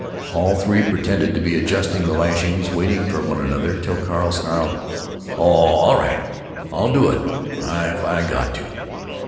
All three pretended to be adjusting the lashings, waiting for one another, till Carl snarled, "Oh, all right! I'll do it if I got to."